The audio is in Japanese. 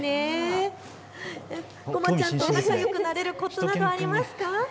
ごまちゃんと仲よくなれるこつなどありますか。